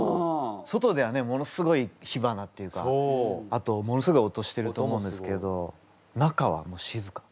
外ではねものすごい火花っていうかあとものすごい音してると思うんですけど中は静か。